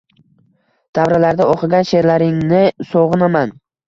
Davralarda o`qigan she`rlaringni sog`inaman